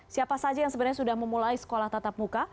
siapa saja yang sebenarnya sudah memulai sekolah tatap muka